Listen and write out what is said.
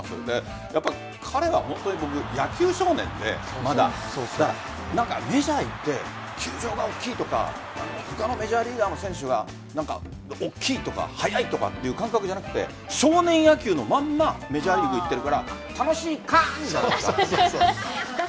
彼は本当に野球少年で、まだ。メジャーに行って球場が大きいとか他のメジャーリーガーの選手は大きいとか速いとかという感覚じゃなくて少年野球のまんまメジャーリーグに行っているから楽しいみたいな。